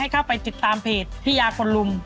เข้าไปติดตามเพจพี่ยาคนลุม